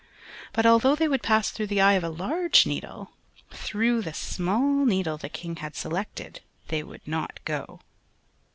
But although they would pass through the eye of a large needle, through the small needle the King had selected they would not go.